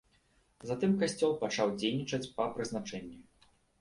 Затым касцёл пачаў дзейнічаць па прызначэнні.